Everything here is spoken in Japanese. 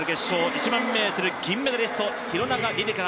１００００ｍ銀メダリスト・廣中璃梨佳。